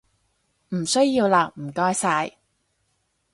唔需要喇唔該晒